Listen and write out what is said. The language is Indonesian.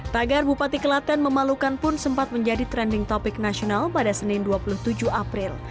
tagar bupati kelaten memalukan pun sempat menjadi trending topic nasional pada senin dua puluh tujuh april